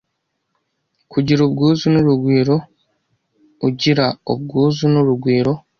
Kugira ubwuzu n’urugwiro u gira u bw u z u n’uru g wiro